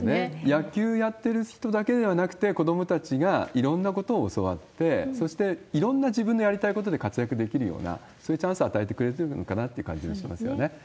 野球やってる人だけではなくて、子どもたちがいろんなことを教わって、そしていろんな自分のやりたいことで活躍できるような、そういうチャンス与えてくれてるのかなという感じがしますよね。